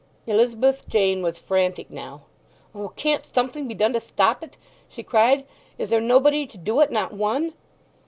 Elizabeth Jane was frantic now. "O, can't something be done to stop it?" she cried. "Is there nobody to do it—not one?"